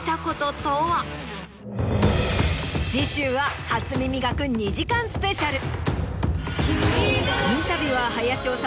次週は『初耳学』２時間スペシャル。